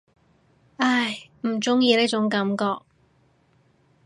唉，唔中意呢種感覺